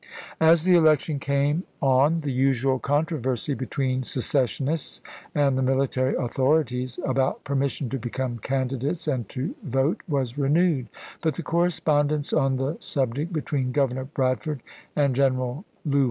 As the election came on the usual controversy between secessionists and the military authorities, about permission to become candidates and to vote, was renewed ; but the correspondence on the sub ject between Governor Bradford and General Lew.